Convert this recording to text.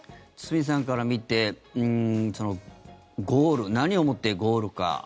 堤さんから見てゴール何をもってゴールか。